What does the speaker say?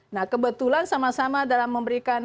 nah kebetulan sama sama dalam memberikan